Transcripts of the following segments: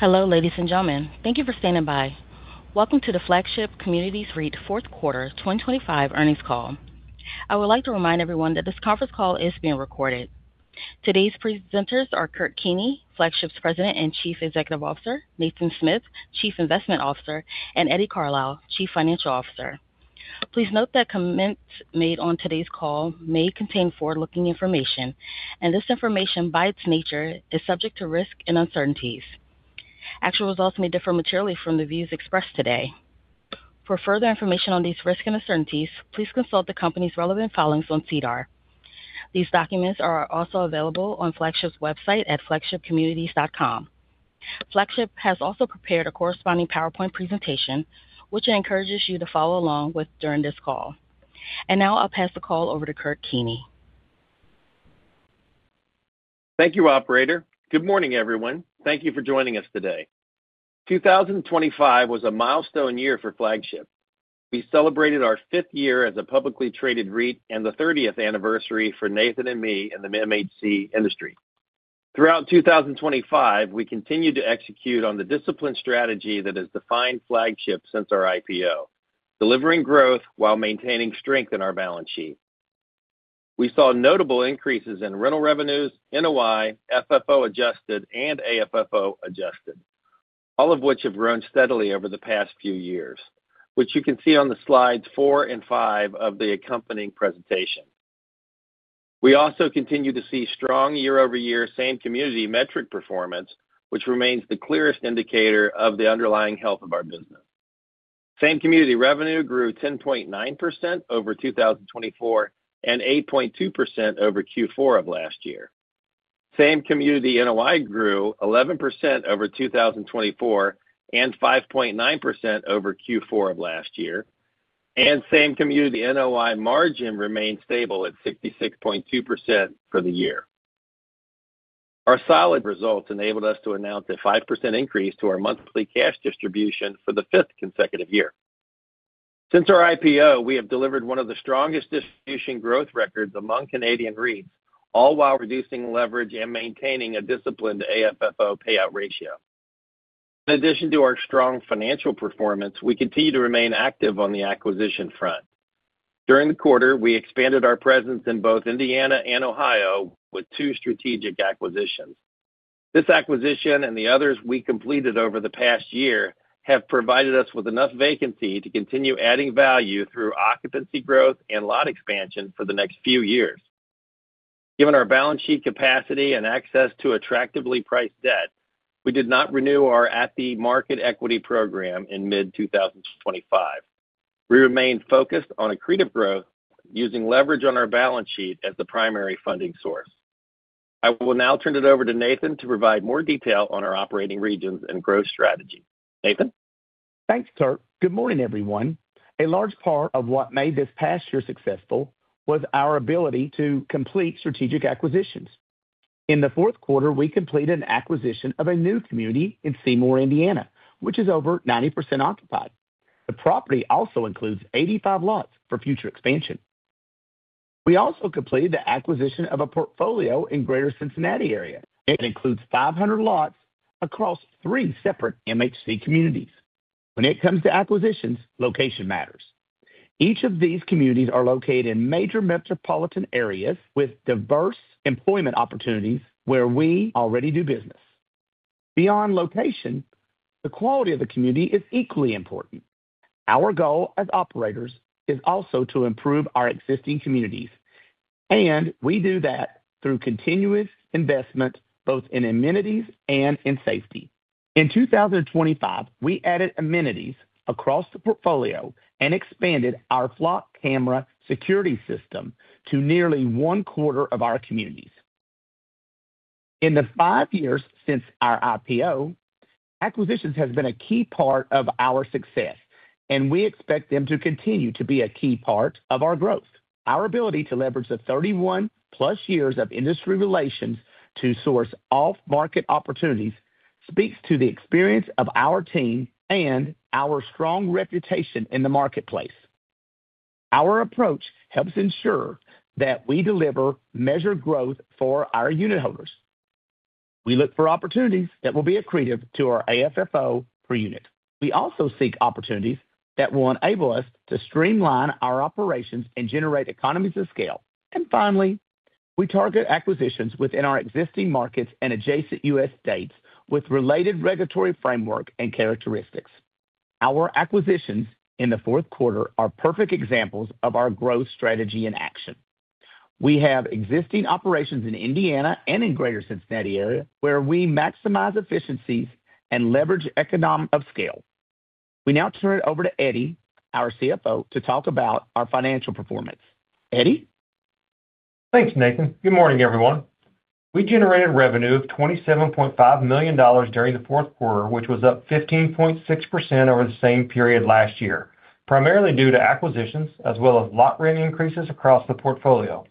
Hello, ladies and gentlemen. Thank you for standing by. Welcome to the Flagship Communities REIT Fourth Quarter 2025 earnings call. I would like to remind everyone that this conference call is being recorded. Today's presenters are Kurt Keeney, Flagship's President and Chief Executive Officer, Nathan Smith, Chief Investment Officer, and Eddie Carlisle, Chief Financial Officer. Please note that comments made on today's call may contain forward-looking information, and this information, by its nature, is subject to risks and uncertainties. Actual results may differ materially from the views expressed today. For further information on these risks and uncertainties, please consult the company's relevant filings on SEDAR. These documents are also available on Flagship's website at flagshipcommunities.com. Flagship has also prepared a corresponding PowerPoint presentation, which I encourage you to follow along with during this call. Now I'll pass the call over to Kurt Keeney. Thank you, operator. Good morning, everyone. Thank you for joining us today. 2025 was a milestone year for Flagship. We celebrated our 5th year as a publicly traded REIT and the 30th anniversary for Nathan and me in the MHC industry. Throughout 2025, we continued to execute on the disciplined strategy that has defined Flagship since our IPO, delivering growth while maintaining strength in our balance sheet. We saw notable increases in rental revenues, NOI, FFO adjusted and AFFO adjusted, all of which have grown steadily over the past few years, which you can see on the slides four and five of the accompanying presentation. We also continue to see strong year-over-year same-community metric performance, which remains the clearest indicator of the underlying health of our business. Same-community revenue grew 10.9% over 2024 and 8.2% over Q4 of last year. Same-community NOI grew 11% over 2024 and 5.9% over Q4 of last year. Same-community NOI margin remained stable at 66.2% for the year. Our solid results enabled us to announce a 5% increase to our monthly cash distribution for the fifth consecutive year. Since our IPO, we have delivered one of the strongest distribution growth records among Canadian REITs, all while reducing leverage and maintaining a disciplined AFFO payout ratio. In addition to our strong financial performance, we continue to remain active on the acquisition front. During the quarter, we expanded our presence in both Indiana and Ohio with two strategic acquisitions. This acquisition and the others we completed over the past year have provided us with enough vacancy to continue adding value through occupancy growth and lot expansion for the next few years. Given our balance sheet capacity and access to attractively priced debt, we did not renew our at-the-market equity program in mid-2025. We remained focused on accretive growth using leverage on our balance sheet as the primary funding source. I will now turn it over to Nathan to provide more detail on our operating regions and growth strategy. Nathan? Thanks, Kurt. Good morning, everyone. A large part of what made this past year successful was our ability to complete strategic acquisitions. In the fourth quarter, we completed an acquisition of a new community in Seymour, Indiana, which is over 90% occupied. The property also includes 85 lots for future expansion. We also completed the acquisition of a portfolio in Greater Cincinnati area. It includes 500 lots across three separate MHC communities. When it comes to acquisitions, location matters. Each of these communities are located in major metropolitan areas with diverse employment opportunities where we already do business. Beyond location, the quality of the community is equally important. Our goal as operators is also to improve our existing communities, and we do that through continuous investment, both in amenities and in safety. In 2025, we added amenities across the portfolio and expanded our Flock camera security system to nearly one quarter of our communities. In the five years since our IPO, acquisitions has been a key part of our success, and we expect them to continue to be a key part of our growth. Our ability to leverage the 31+ years of industry relations to source off-market opportunities speaks to the experience of our team and our strong reputation in the marketplace. Our approach helps ensure that we deliver measured growth for our unitholders. We look for opportunities that will be accretive to our AFFO per unit. We also seek opportunities that will enable us to streamline our operations and generate economies of scale. Finally, we target acquisitions within our existing markets and adjacent U.S. states with related regulatory framework and characteristics. Our acquisitions in the fourth quarter are perfect examples of our growth strategy in action. We have existing operations in Indiana and in Greater Cincinnati area, where we maximize efficiencies and leverage economies of scale. We now turn it over to Eddie, our CFO, to talk about our financial performance. Eddie? Thanks, Nathan. Good morning, everyone. We generated revenue of $27.5 million during the fourth quarter, which was up 15.6% over the same period last year, primarily due to acquisitions as well as lot rent increases across the portfolio.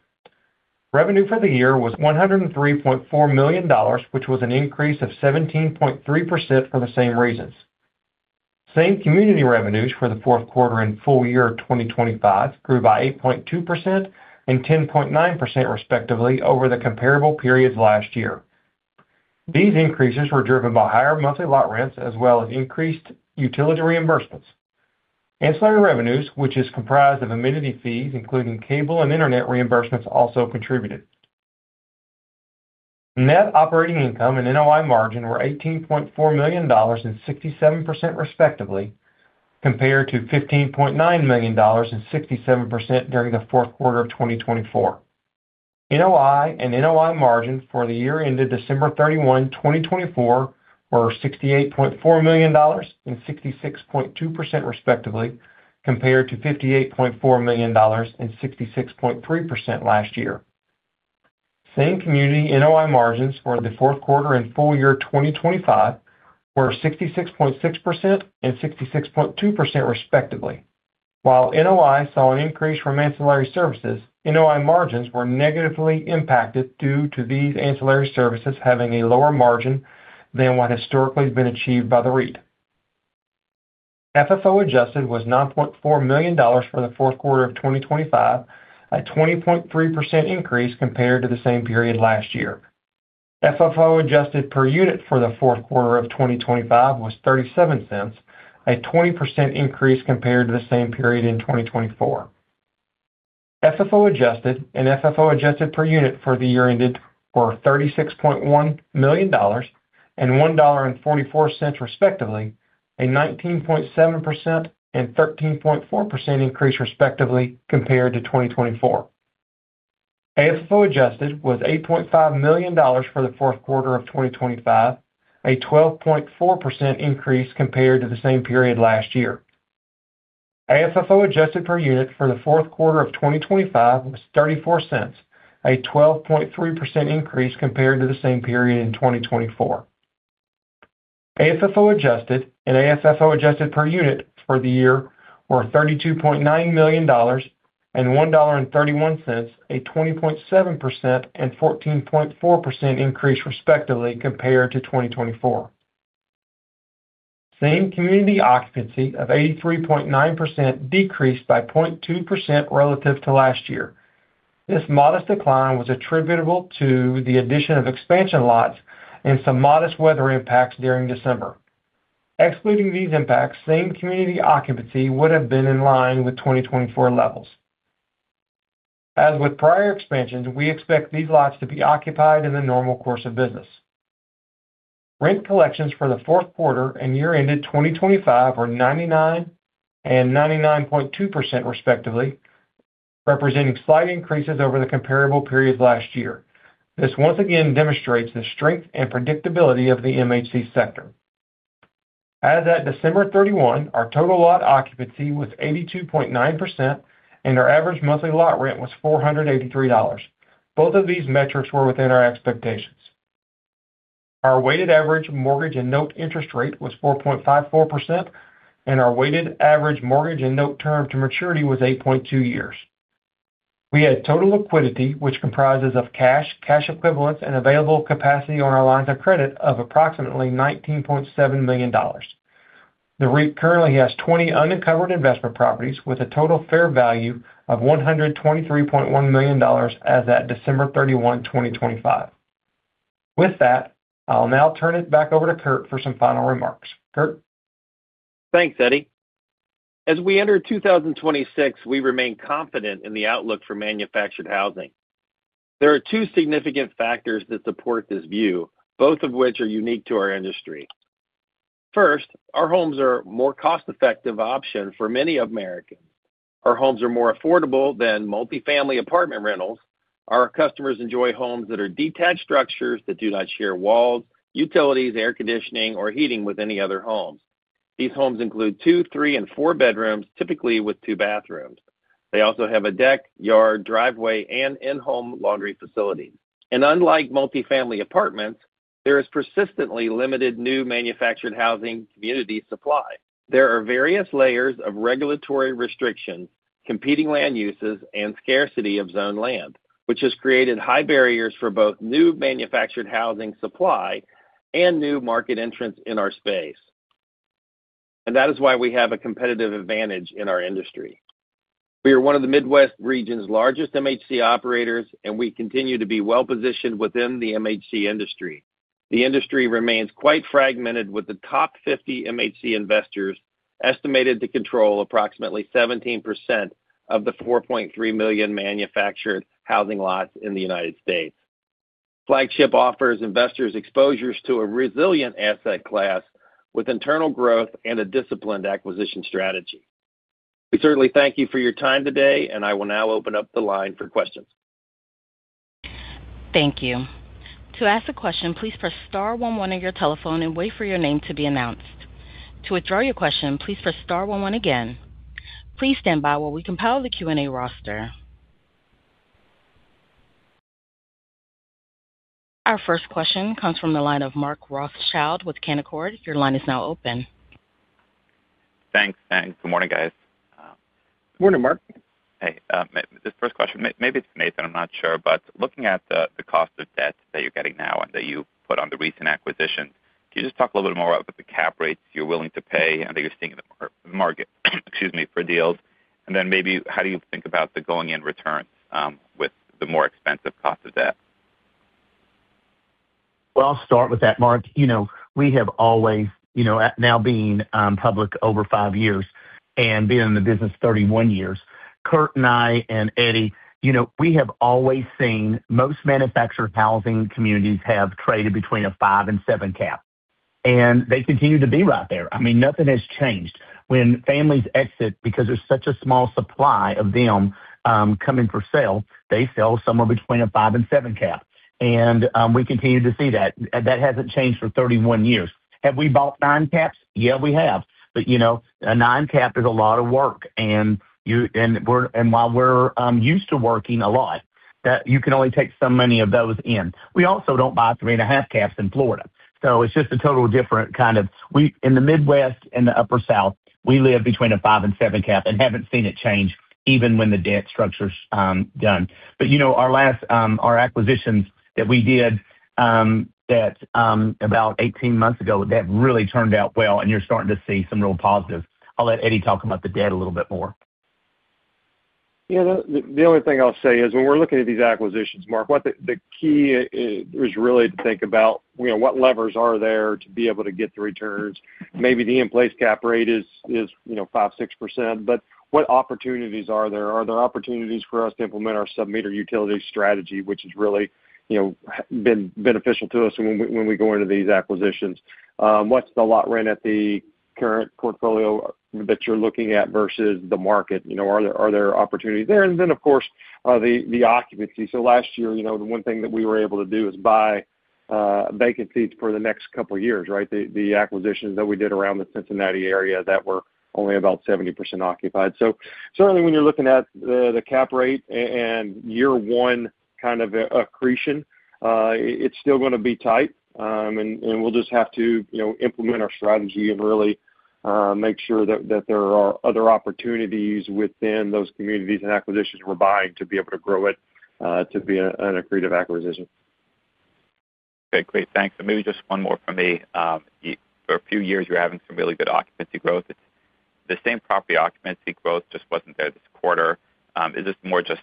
Revenue for the year was $103.4 million, which was an increase of 17.3% for the same reasons. Same-community revenues for the fourth quarter and full year of 2025 grew by 8.2% and 10.9% respectively over the comparable periods last year. These increases were driven by higher monthly lot rents as well as increased utility reimbursements. Ancillary revenues, which is comprised of amenity fees including cable and internet reimbursements, also contributed. Net operating income and NOI margin were $18.4 million and 67% respectively, compared to $15.9 million and 67% during the fourth quarter of 2024. NOI and NOI margin for the year ended December 31, 2024 were $68.4 million and 66.2% respectively, compared to $58.4 million and 66.3% last year. Same-community NOI margins for the fourth quarter and full year 2025 were 66.6% and 66.2% respectively. While NOI saw an increase from ancillary services, NOI margins were negatively impacted due to these ancillary services having a lower margin than what historically has been achieved by the REIT. FFO-adjusted was $9.4 million for the fourth quarter of 2025, a 20.3% increase compared to the same period last year. FFO adjusted per unit for the fourth quarter of 2025 was $0.37, a 20% increase compared to the same period in 2024. FFO adjusted and FFO adjusted per unit for the year ended were $36.1 million and $1.44, respectively, a 19.7% and 13.4% increase, respectively, compared to 2024. AFFO adjusted was $8.5 million for the fourth quarter of 2025, a 12.4% increase compared to the same period last year. AFFO adjusted per unit for the fourth quarter of 2025 was $0.34, a 12.3% increase compared to the same period in 2024. AFFO adjusted and AFFO adjusted per unit for the year were $32.9 million and $1.31, a 20.7% and 14.4% increase, respectively, compared to 2024. Same community occupancy of 83.9% decreased by 0.2% relative to last year. This modest decline was attributable to the addition of expansion lots and some modest weather impacts during December. Excluding these impacts, same community occupancy would have been in line with 2024 levels. As with prior expansions, we expect these lots to be occupied in the normal course of business. Rent collections for the fourth quarter and year ended 2025 were 99% and 99.2% respectively, representing slight increases over the comparable periods last year. This once again demonstrates the strength and predictability of the MHC sector. As of December 31, our total lot occupancy was 82.9%, and our average monthly lot rent was $483. Both of these metrics were within our expectations. Our weighted average mortgage and note interest rate was 4.54%, and our weighted average mortgage and note term to maturity was 8.2 years. We had total liquidity, which comprises of cash equivalents, and available capacity on our lines of credit of approximately $19.7 million. The REIT currently has 20 uncovered investment properties with a total fair value of $123.1 million as at December 31, 2025. With that, I'll now turn it back over to Kurt for some final remarks. Kurt? Thanks, Eddie. As we enter 2026, we remain confident in the outlook for manufactured housing. There are two significant factors that support this view, both of which are unique to our industry. First, our homes are more cost-effective option for many Americans. Our homes are more affordable than multifamily apartment rentals. Our customers enjoy homes that are detached structures that do not share walls, utilities, air conditioning, or heating with any other homes. These homes include two, three, and four bedrooms, typically with two bathrooms. They also have a deck, yard, driveway, and in-home laundry facilities. Unlike multifamily apartments, there is persistently limited new manufactured housing community supply. There are various layers of regulatory restrictions, competing land uses, and scarcity of zoned land, which has created high barriers for both new manufactured housing supply and new market entrants in our space. That is why we have a competitive advantage in our industry. We are one of the Midwest region's largest MHC operators, and we continue to be well-positioned within the MHC industry. The industry remains quite fragmented, with the top 50 MHC investors estimated to control approximately 17% of the 4.3 million manufactured housing lots in the United States. Flagship offers investors exposures to a resilient asset class with internal growth and a disciplined acquisition strategy. We certainly thank you for your time today, and I will now open up the line for questions. Thank you. To ask a question, please press star one one on your telephone and wait for your name to be announced. To withdraw your question, please press star one one again. Please stand by while we compile the Q&A roster. Our first question comes from the line of Mark Rothschild with Canaccord. Your line is now open. Thanks. Good morning, guys. Good morning, Mark. Hey, this first question, maybe it's Nathan, I'm not sure. But looking at the cost of debt that you're getting now and that you put on the recent acquisition, can you just talk a little bit more about the cap rates you're willing to pay and that you're seeing in the market, excuse me, for deals? Then maybe how do you think about the going-in returns with the more expensive cost of debt? Well, I'll start with that, Mark. You know, we have always, you know, and now being public over five years and being in the business 31 years, Kurt and I and Eddie, you know, we have always seen most Manufactured Housing Communities have traded between a 5% and 7% cap. They continue to be right there. I mean, nothing has changed. When families exit because there's such a small supply of them coming for sale, they sell somewhere between a 5% and 7% cap. We continue to see that. That hasn't changed for 31 years. Have we bought 9% caps? Yeah, we have. You know, a 9% cap is a lot of work. While we're used to working a lot, that you can only take so many of those in. We also don't buy 3.5% caps in Florida. In the Midwest and the Upper South, we live between 5% and 7% cap and haven't seen it change even when the debt structure's done. You know, our last acquisitions that we did about 18 months ago that really turned out well and you're starting to see some real positives. I'll let Eddie talk about the debt a little bit more. Yeah, the only thing I'll say is when we're looking at these acquisitions, Mark, the key is really to think about, you know, what levers are there to be able to get the returns. Maybe the in-place cap rate is, you know, 5%-6%, but what opportunities are there? Are there opportunities for us to implement our sub-meter utility strategy, which has really, you know, been beneficial to us when we go into these acquisitions? What's the lot rent at the current portfolio that you're looking at versus the market? You know, are there opportunities there? Of course, the occupancy. Last year, you know, the one thing that we were able to do is buy vacancies for the next couple years, right? The acquisitions that we did around the Cincinnati area that were only about 70% occupied. Certainly when you're looking at the cap rate and year-one kind of accretion, it's still gonna be tight. We'll just have to, you know, implement our strategy and really make sure that there are other opportunities within those communities and acquisitions we're buying to be able to grow it to be an accretive acquisition. Okay, great. Thanks. Maybe just one more from me. For a few years, you were having some really good occupancy growth. The same property occupancy growth just wasn't there this quarter. Is this more just,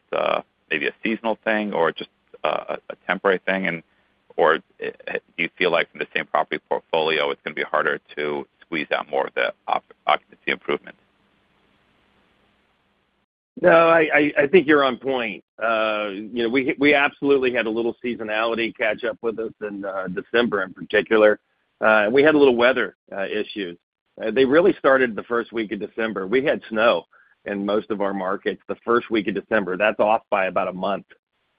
maybe a seasonal thing or just a temporary thing and/or do you feel like from the same property portfolio, it's gonna be harder to squeeze out more of the occupancy improvement? No, I think you're on point. You know, we absolutely had a little seasonality catch up with us in December in particular. We had a little weather issue. They really started the first week of December. We had snow in most of our markets the first week of December. That's off by about a month.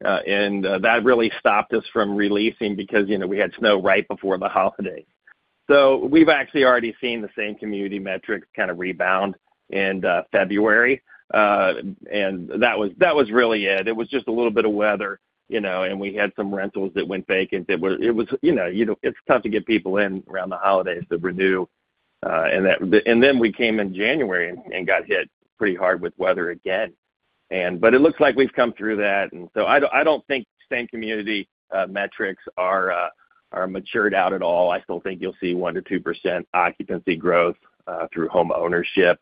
That really stopped us from releasing because, you know, we had snow right before the holiday. So we've actually already seen the same community metrics kind of rebound in February. And that was really it. It was just a little bit of weather, you know, and we had some rentals that went vacant. It's tough to get people in around the holidays to renew. We came in January and got hit pretty hard with weather again. It looks like we've come through that. I don't think same community metrics are matured out at all. I still think you'll see 1%-2% occupancy growth through homeownership.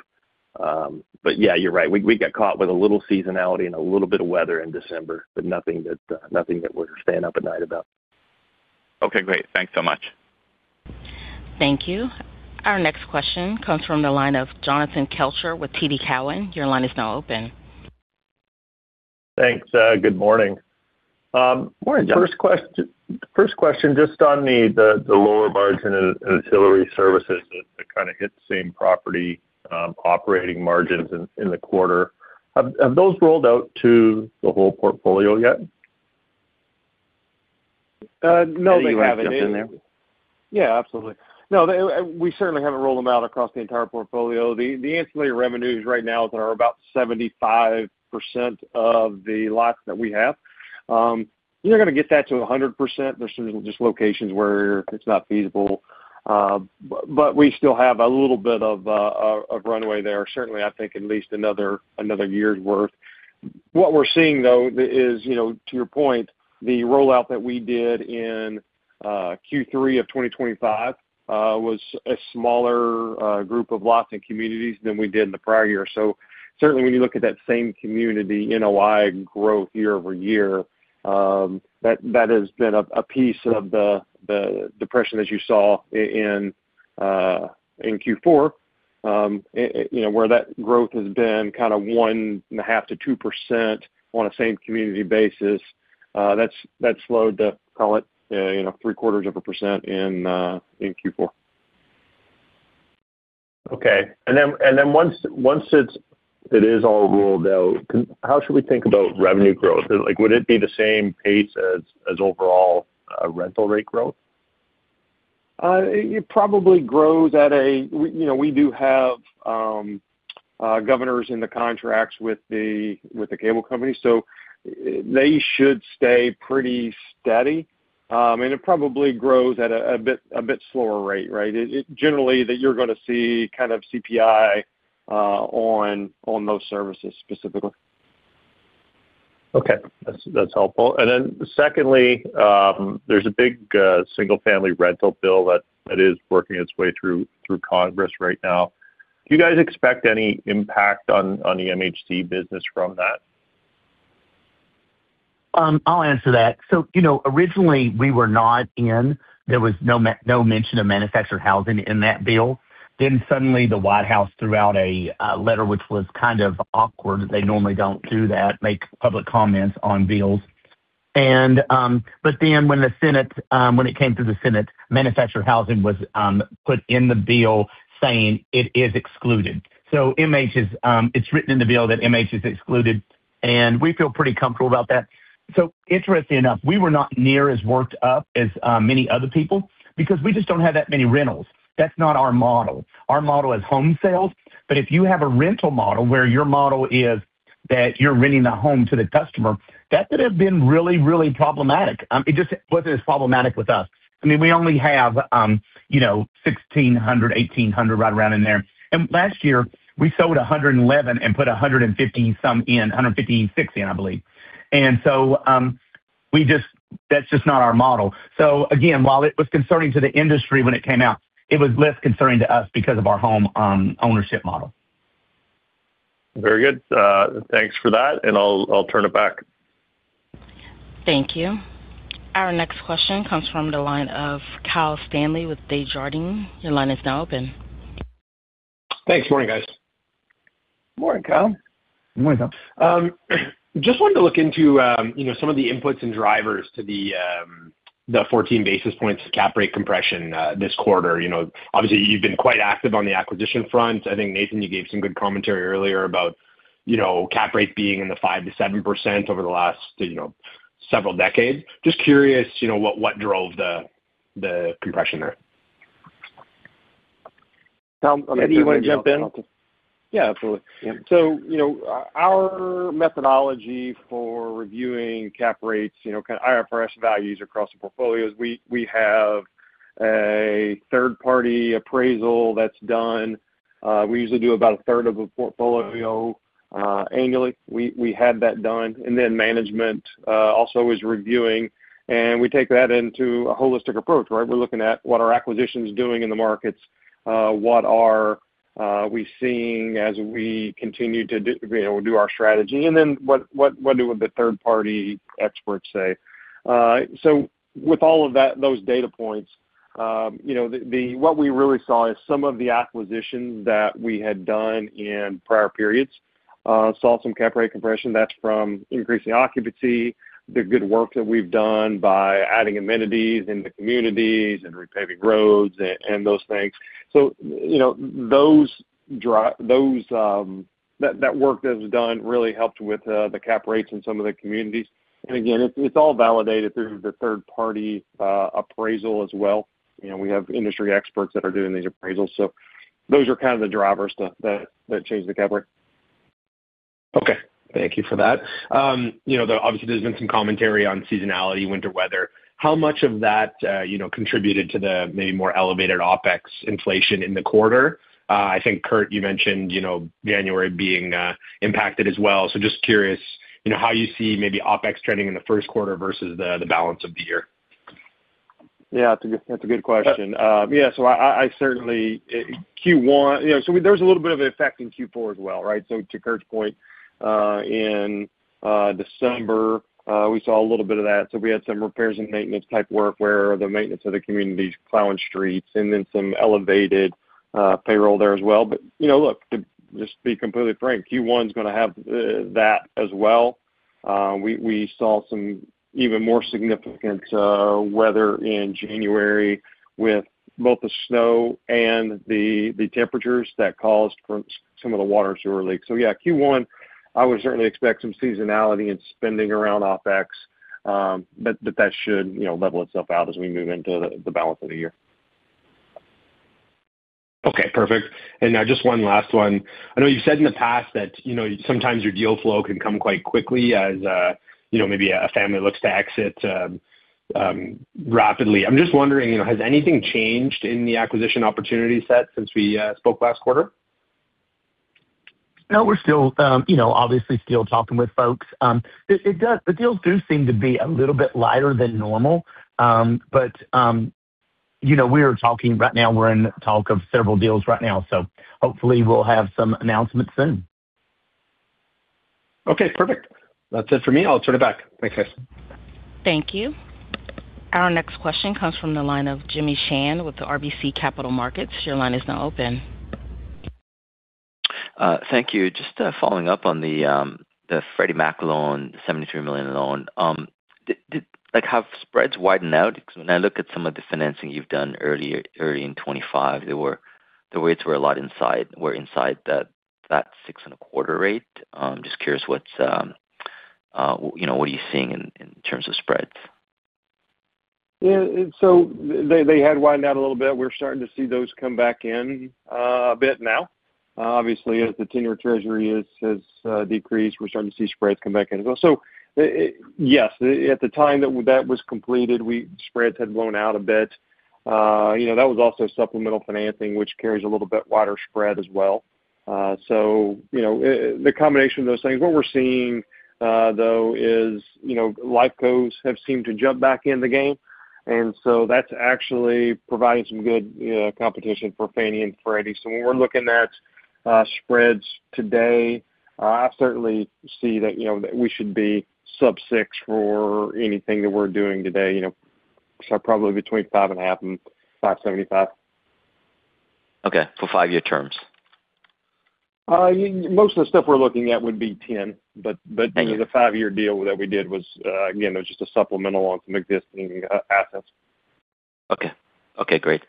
Yeah, you're right. We got caught with a little seasonality and a little bit of weather in December, but nothing that we're staying up at night about. Okay, great. Thanks so much. Thank you. Our next question comes from the line of Jonathan Kelcher with TD Cowen. Your line is now open. Thanks. Good morning. Morning. First question, just on the lower margin ancillary services that kind of hit same property operating margins in the quarter. Have those rolled out to the whole portfolio yet? No, they haven't. Eddie, why don't you jump in there? Yeah, absolutely. No, they. We certainly haven't rolled them out across the entire portfolio. The ancillary revenues right now are about 75% of the lots that we have. We're gonna get that to 100%. There's just some locations where it's not feasible. But we still have a little bit of runway there. Certainly, I think at least another year's worth. What we're seeing, though, is, you know, to your point, the rollout that we did in Q3 of 2025 was a smaller group of lots and communities than we did in the prior year. Certainly, when you look at that same community NOI growth year-over-year, that has been a piece of the compression that you saw in Q4, you know, where that growth has been kind of 1.5%-2% on a same community basis. That's slowed to, call it, you know, three quarters of a percent in Q4. Okay. Once it is all rolled out, how should we think about revenue growth? Like, would it be the same pace as overall rental rate growth? You know, we do have governors in the contracts with the cable company, so they should stay pretty steady. It probably grows at a bit slower rate, right? It generally that you're gonna see kind of CPI on those services specifically. Okay. That's helpful. Secondly, there's a big single-family rental bill that is working its way through Congress right now. Do you guys expect any impact on the MHC business from that? I'll answer that. You know, originally we were not in. There was no mention of manufactured housing in that bill. Suddenly the White House threw out a letter which was kind of awkward. They normally don't do that, make public comments on bills. When it came to the Senate, manufactured housing was put in the bill saying it is excluded. MH is written in the bill that MH is excluded, and we feel pretty comfortable about that. Interestingly enough, we were not nearly as worked up as many other people because we just don't have that many rentals. That's not our model. Our model is home sales. If you have a rental model where your model is that you're renting the home to the customer, that could have been really, really problematic. It just wasn't as problematic with us. I mean, we only have, you know, 1,600, 1,800 right around in there. Last year we sold 111 and put 115 to 160 in, I believe. We just. That's just not our model. Again, while it was concerning to the industry when it came out, it was less concerning to us because of our home ownership model. Very good. Thanks for that, and I'll turn it back. Thank you. Our next question comes from the line of Kyle Stanley with Desjardins. Your line is now open. Thanks. Morning, guys. Morning, Kyle. Morning, Kyle. Just wanted to look into, you know, some of the inputs and drivers to the 14 basis points cap rate compression this quarter. You know, obviously you've been quite active on the acquisition front. I think, Nathan, you gave some good commentary earlier about, you know, cap rate being in the 5%-7% over the last, you know, several decades. Just curious, you know, what drove the compression there? Come, Eddie, you wanna jump in? Yeah, absolutely. Yeah. You know, our methodology for reviewing cap rates, you know, kind of IFRS values across the portfolios, we have a third party appraisal that's done. We usually do about a third of a portfolio annually. We have that done. Then management also is reviewing, and we take that into a holistic approach, right? We're looking at what are acquisitions doing in the markets, what are we seeing as we continue to do, you know, do our strategy, and then what do the third party experts say? With all of that, those data points, you know, what we really saw is some of the acquisitions that we had done in prior periods saw some cap rate compression. That's from increasing occupancy, the good work that we've done by adding amenities in the communities and repaving roads and those things. You know, those that work that was done really helped with the cap rates in some of the communities. Again, it's all validated through the third party appraisal as well. You know, we have industry experts that are doing these appraisals. Those are kind of the drivers that changed the cap rate. Okay. Thank you for that. You know, obviously there's been some commentary on seasonality, winter weather. How much of that, you know, contributed to the maybe more elevated OpEx inflation in the quarter? I think, Kurt, you mentioned, you know, January being impacted as well. Just curious, you know, how you see maybe OpEx trending in the first quarter versus the balance of the year. Yeah, that's a good question. Q1, you know, so there's a little bit of an effect in Q4 as well, right? To Kurt's point, in December, we saw a little bit of that. We had some repairs and maintenance type work where the maintenance of the communities, plowing streets, and then some elevated payroll there as well. You know, look, to just be completely frank, Q1 is gonna have that as well. We saw some even more significant weather in January with both the snow and the temperatures that caused for some of the water sewer leaks. Yeah, Q1, I would certainly expect some seasonality and spending around OpEx, but that should, you know, level itself out as we move into the balance of the year. Okay, perfect. Now just one last one. I know you've said in the past that, you know, sometimes your deal flow can come quite quickly as, you know, maybe a family looks to exit, rapidly. I'm just wondering, you know, has anything changed in the acquisition opportunity set since we spoke last quarter? No, we're still, you know, obviously still talking with folks. The deals do seem to be a little bit lighter than normal. You know, we're talking right now, we're in talk of several deals right now, so hopefully we'll have some announcements soon. Okay, perfect. That's it for me. I'll turn it back. Thanks, guys. Thank you. Our next question comes from the line of Jimmy Shan with RBC Capital Markets. Your line is now open. Thank you. Just following up on the Freddie Mac loan, the $73 million loan. Did like, have spreads widened out? Because when I look at some of the financing you've done earlier, early in 2025, the rates were a lot inside that 6.25% rate. Just curious what's you know, what are you seeing in terms of spreads? Yeah. They had widened out a little bit. We're starting to see those come back in a bit now. Obviously, as the ten-year Treasury has decreased, we're starting to see spreads come back in as well. Yes, at the time that was completed, spreads had blown out a bit. You know, that was also supplemental financing, which carries a little bit wider spread as well. You know, the combination of those things. What we're seeing, though, is you know, life cos have seemed to jump back in the game, and so that's actually providing some good competition for Fannie and Freddie. When we're looking at spreads today, I certainly see that, you know, that we should be sub six for anything that we're doing today, you know. Probably between 5.5% and 5.75%. Okay. For five-year terms? Most of the stuff we're looking at would be 10. Thank you. You know, the five-year deal that we did was, again, it was just a supplemental on some existing assets. Okay. Okay, great.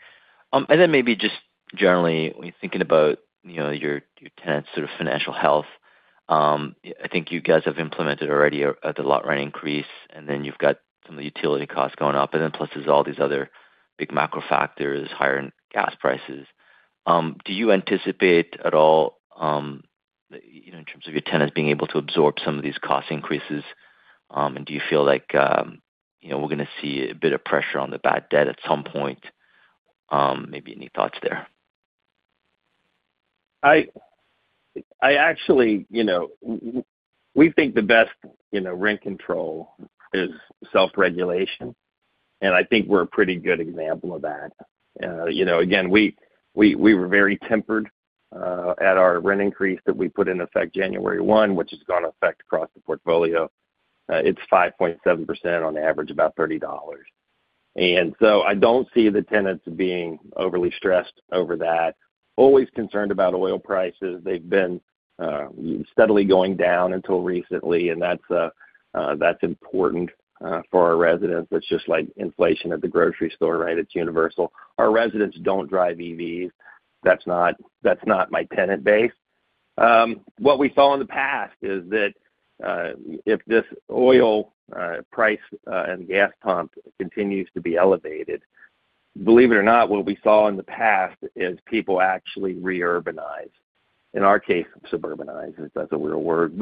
Maybe just generally, when you're thinking about, you know, your tenants' sort of financial health, I think you guys have implemented already the lot rent increase, and then you've got some of the utility costs going up, and then plus there's all these other big macro factors, higher gas prices. Do you anticipate at all, you know, in terms of your tenants being able to absorb some of these cost increases, and do you feel like, you know, we're gonna see a bit of pressure on the bad debt at some point? Maybe any thoughts there? I actually, you know, we think the best, you know, rent control is self-regulation, and I think we're a pretty good example of that. You know, again, we were very tempered at our rent increase that we put in effect January 1, which has gone into effect across the portfolio. It's 5.7% on average, about $30. I don't see the tenants being overly stressed over that. Always concerned about oil prices. They've been steadily going down until recently, and that's important for our residents. It's just like inflation at the grocery store, right? It's universal. Our residents don't drive EVs. That's not my tenant base. What we saw in the past is that if this oil price and gas pump continues to be elevated, believe it or not, what we saw in the past is people actually re-urbanize. In our case, suburbanize, if that's a real word.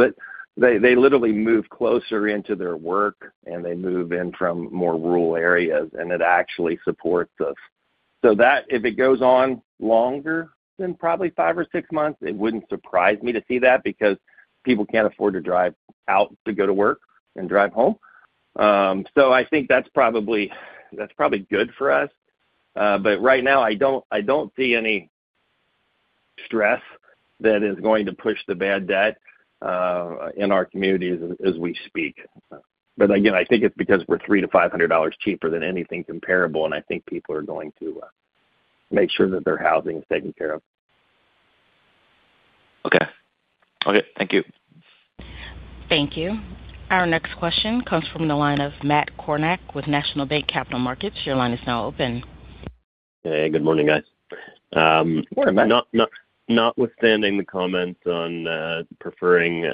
They literally move closer into their work, and they move in from more rural areas, and it actually supports us. That if it goes on longer than probably five or six months, it wouldn't surprise me to see that because people can't afford to drive out to go to work and drive home. I think that's probably good for us. Right now I don't see any stress that is going to push the bad debt in our communities as we speak. Again, I think it's because we're $300-$500 cheaper than anything comparable, and I think people are going to make sure that their housing is taken care of. Okay. Okay, thank you. Thank you. Our next question comes from the line of Matt Kornack with National Bank Capital Markets. Your line is now open. Hey, good morning, guys. Morning, Matt. Notwithstanding the comments on preferring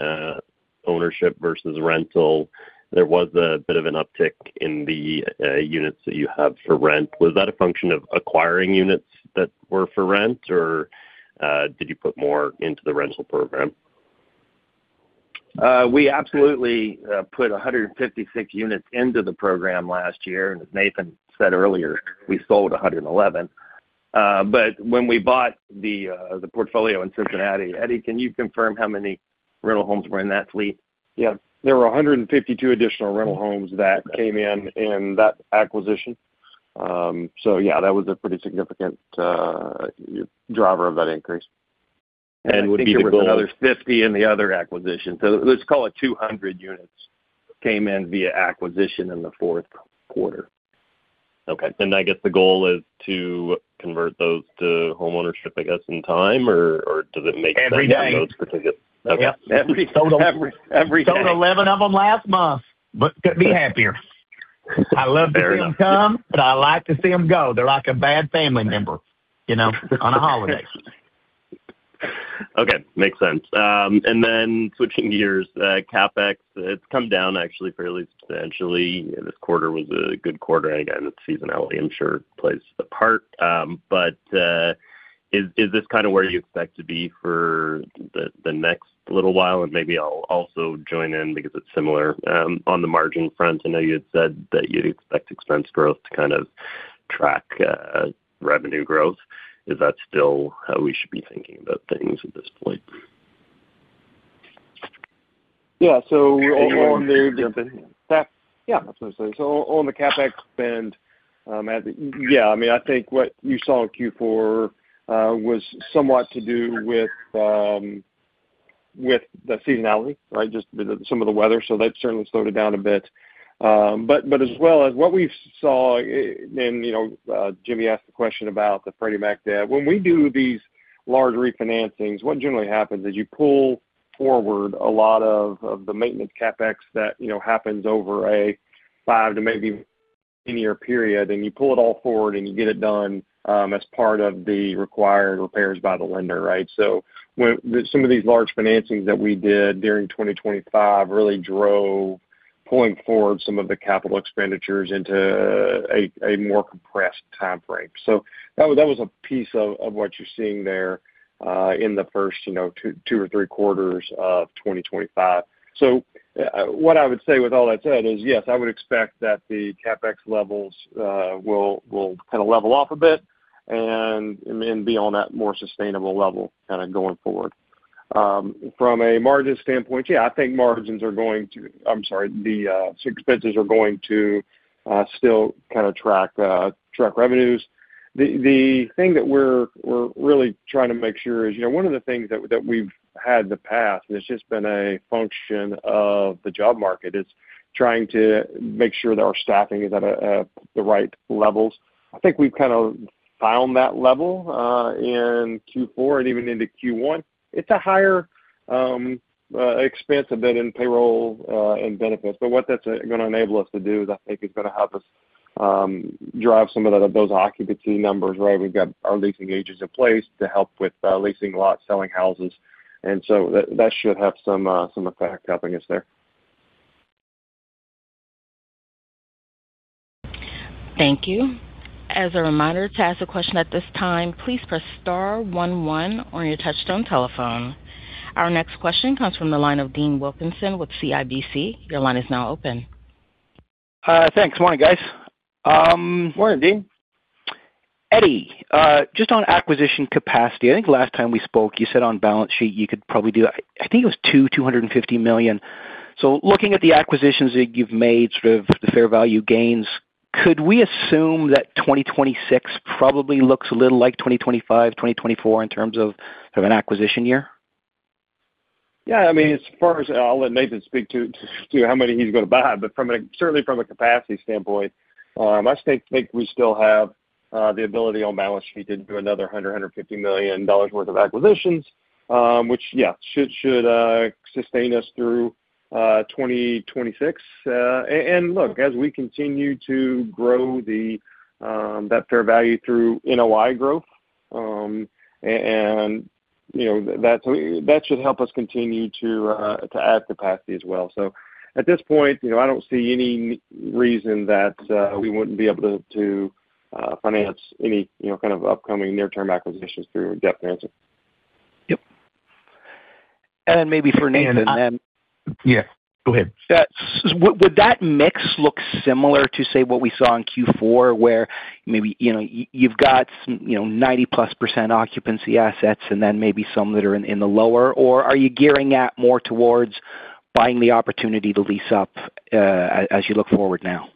ownership versus rental, there was a bit of an uptick in the units that you have for rent. Was that a function of acquiring units that were for rent, or did you put more into the rental program? We absolutely put 156 units into the program last year, and as Nathan said earlier, we sold 111. When we bought the portfolio in Cincinnati, Eddie, can you confirm how many rental homes were in that fleet? Yeah. There were 152 additional rental homes that came in in that acquisition. Yeah, that was a pretty significant driver of that increase. I think there was another 50 in the other acquisition. Let's call it 200 units came in via acquisition in the fourth quarter. Okay. I guess the goal is to convert those to homeownership, I guess, in time? Or does it make- Every day. Okay. Yeah. Every day. Sold 11 of them last month, but couldn't be happier. Fair enough. I love to see them come, but I like to see them go. They're like a bad family member, you know, on a holiday. Okay. Makes sense. Switching gears, CapEx, it's come down actually fairly substantially. This quarter was a good quarter, and again, it's seasonality I'm sure plays a part. Is this kinda where you expect to be for the next little while? Maybe I'll also join in because it's similar on the margin front. I know you had said that you'd expect expense growth to kind of track revenue growth. Is that still how we should be thinking about things at this point? Yeah. Yeah. Yeah, that's what I said. On the CapEx spend, yeah, I mean, I think what you saw in Q4 was somewhat to do with the seasonality, right? Just some of the weather. That certainly slowed it down a bit. But as well as what we saw in, you know, Jimmy asked the question about the Freddie Mac debt. When we do these large refinancings, what generally happens is you pull forward a lot of the maintenance CapEx that, you know, happens over a five to maybe 10-year period, and you pull it all forward and you get it done as part of the required repairs by the lender, right? When some of these large financings that we did during 2025 really drove pulling forward some of the capital expenditures into a more compressed time frame. That was a piece of what you're seeing there in the first two or three quarters of 2025. What I would say with all that said is, yes, I would expect that the CapEx levels will kinda level off a bit and then be on that more sustainable level kinda going forward. From a margins standpoint, yeah, I'm sorry, the expenses are going to still kinda track revenues. The thing that we're really trying to make sure is one of the things that we've had in the past, and it's just been a function of the job market, is trying to make sure that our staffing is at the right levels. I think we've kinda found that level in Q4 and even into Q1. It's a higher expense a bit in payroll and benefits. What that's gonna enable us to do is I think it's gonna help us drive some of those occupancy numbers, right? We've got our leasing agents in place to help with leasing lots, selling houses, and so that should have some effect helping us there. Thank you. As a reminder, to ask a question at this time, please press star one one on your touchtone telephone. Our next question comes from the line of Dean Wilkinson with CIBC. Your line is now open. Thanks. Morning, guys. Morning, Dean. Eddie, just on acquisition capacity. I think last time we spoke you said on balance sheet you could probably do, I think it was $250 million. Looking at the acquisitions that you've made, sort of the fair value gains, could we assume that 2026 probably looks a little like 2025, 2024 in terms of an acquisition year? Yeah. I mean, as far as I'll let Nathan speak to how many he's gonna buy, but from a certainly from a capacity standpoint, I think we still have the ability on balance sheet to do another $100-$150 million worth of acquisitions, which should sustain us through 2026. Look, as we continue to grow that fair value through NOI growth, and you know, that should help us continue to add capacity as well. At this point, you know, I don't see any reason that we wouldn't be able to finance any kind of upcoming near-term acquisitions through debt financing. Yep. Maybe for Nathan then. Yeah, go ahead. Would that mix look similar to, say, what we saw in Q4 where maybe, you know, you've got some, you know, 90+% occupancy assets and then maybe some that are in the lower, or are you gearing that more towards buying the opportunity to lease up, as you look forward now?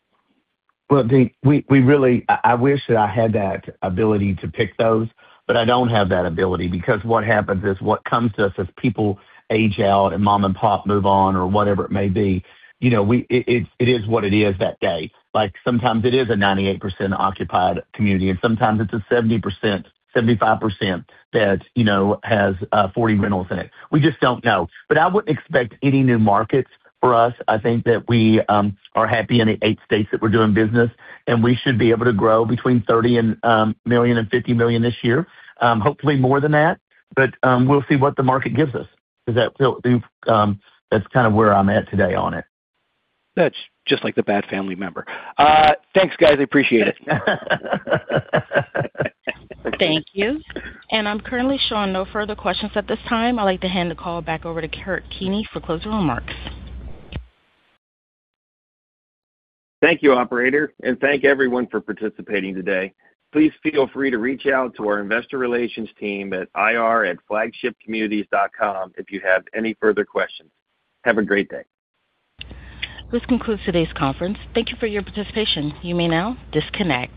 Well, Dean, we really I wish that I had that ability to pick those, but I don't have that ability because what happens is what comes to us as people age out and mom and pop move on or whatever it may be, you know, it is what it is that day. Like, sometimes it is a 98% occupied community, and sometimes it's a 70%, 75% that, you know, has 40 rentals in it. We just don't know. I wouldn't expect any new markets for us. I think that we are happy in the eight states that we're doing business, and we should be able to grow between $30 million and $50 million this year. Hopefully more than that, but we'll see what the market gives us 'cause that we'll do. That's kind of where I'm at today on it. That's just like the bad family member. Thanks, guys. I appreciate it. Thank you. I'm currently showing no further questions at this time. I'd like to hand the call back over to Kurt Keeney for closing remarks. Thank you, operator, and thank you everyone for participating today. Please feel free to reach out to our investor relations team at ir@flagshipcommunities.com if you have any further questions. Have a great day. This concludes today's conference. Thank you for your participation. You may now disconnect.